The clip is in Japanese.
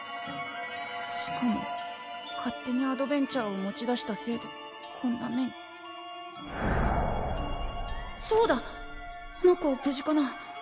しかも勝手にアドベン茶を持ち出したせいでこんな目にそうだあの子は無事かな？